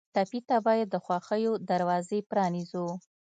ټپي ته باید د خوښیو دروازې پرانیزو.